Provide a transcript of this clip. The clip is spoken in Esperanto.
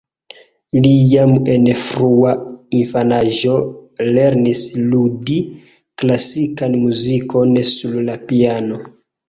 Li jam en frua infanaĝo lernis ludi klasikan muzikon sur la piano.